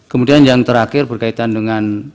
kemudian yang terakhir berkaitan dengan